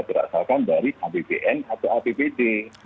berasalkan dari apbn atau apbd